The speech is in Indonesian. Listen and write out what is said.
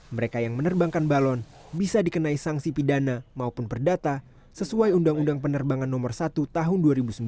mereka yang menerbangkan balon bisa dikenai sanksi pidana maupun perdata sesuai undang undang penerbangan nomor satu tahun dua ribu sembilan